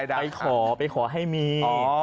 ไปขอไปขอให้มี